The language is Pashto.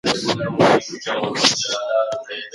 ما د نيمو سوځېدلو پاڼو کتاب وليد.